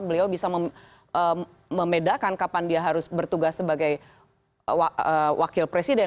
beliau bisa membedakan kapan dia harus bertugas sebagai wakil presiden